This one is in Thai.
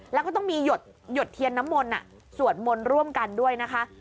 แล้วก็ต้องมีหยดเทียนน้ำมนต์สวดมนต์ร่วมกันด้วยนะคะ